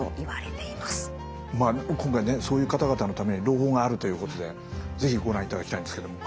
今回ねそういう方々のために朗報があるということで是非ご覧いただきたいんですけども。